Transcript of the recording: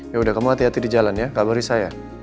yaudah kamu hati hati di jalan ya kabar risa ya